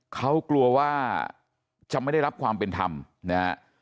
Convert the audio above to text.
เขากลัวว่าจะไม่ได้รับความเป็นธรรมนะฮะ